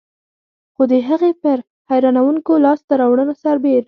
خو د هغې پر حیرانوونکو لاسته راوړنو سربېر.